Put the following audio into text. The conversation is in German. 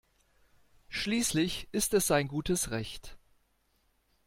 Schließlich ist es sein gutes Recht.